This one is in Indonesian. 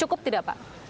cukup tidak pak